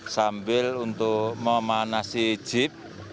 sambil untuk memanas jeep